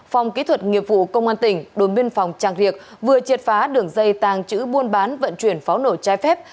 phòng kỹ thuật nghiệp vụ công an tỉnh đối biên phòng trang riệc vừa triệt phá đường dây tàng chữ buôn bán vận chuyển pháo nổ trái phép